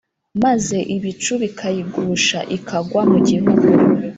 Maze ibicu bikayigusha Ikagwa mu gihugu